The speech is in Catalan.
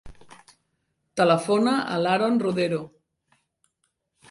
Telefona a l'Haron Rodero.